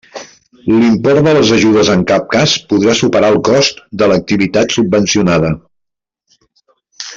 L'import de les ajudes en cap cas podrà superar el cost de l'activitat subvencionada.